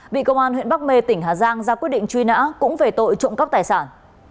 bị công an huyện bắc mê tỉnh hà giang ra quyết định truy nã cũng về tội trộm cắp tài sản